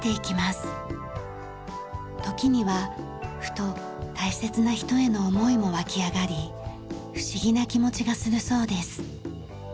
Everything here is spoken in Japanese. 時にはふと大切な人への思いも湧き上がり不思議な気持ちがするそうです。